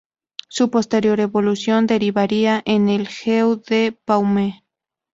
Su posterior evolución derivaría en el "Jeu de Paume".